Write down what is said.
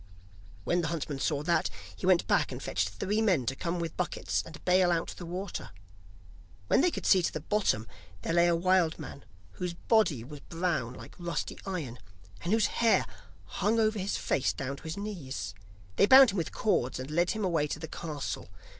When the huntsman saw that, he went back and fetched three men to come with buckets and bale out the water. When they could see to the bottom there lay a wild man whose body was brown like rusty iron, and whose hair hung over his face down to his knees. They bound him with cords, and led him away to the castle.